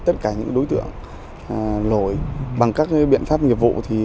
tất cả những đối tượng lổi bằng các biện pháp nghiệp vụ